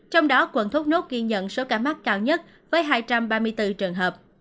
trong đó quận thốt nốt ghi nhận số ca mắc cao nhất với hai trăm ba mươi bốn trường hợp